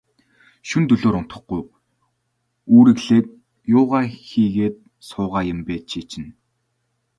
Шөнө дөлөөр унтахгүй, үүрэглээд юугаа хийгээд суугаа юм бэ, чи чинь.